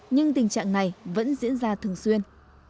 nhưng tình trạng này vẫn diễn ra thường xuyên